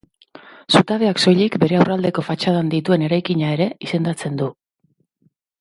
Zutabeak soilik bere aurrealdeko fatxadan dituen eraikina ere izendatzen du.